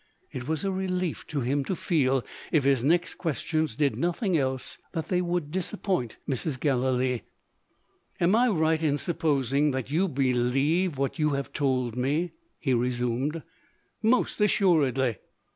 It was a relief to him to feel if his next questions did nothing else that they would disappoint Mrs. Galilee. "Am I right in supposing that you believe what you have told me?" he resumed. "Most assuredly!"